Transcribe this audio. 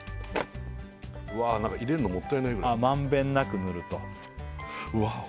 うわ何か入れるのもったいないぐらい満遍なく塗るとわお！